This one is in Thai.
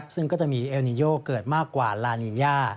ซึ่งก็จะมีเอลนิโยเกิดมากกว่าลานินยา